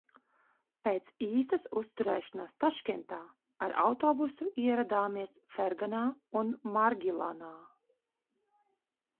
Pēc īsas uzturēšanās Taškentā ar autobusu ieradāmies Ferganā un Margilanā.